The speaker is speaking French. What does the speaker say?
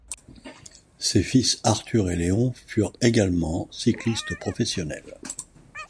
Ses fils Arthur et Léon furent également cyclistes professionnels.